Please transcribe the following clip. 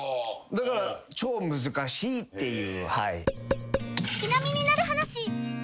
だから超難しいっていう。